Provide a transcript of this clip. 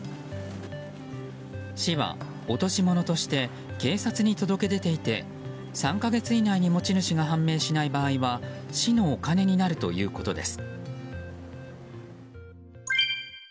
市は落とし物として警察に届け出ていて３か月以内に持ち主が判明しない場合は市のお金になるということです。